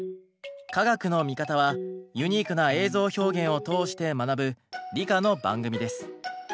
「カガクノミカタ」はユニークな映像表現を通して学ぶ理科の番組です。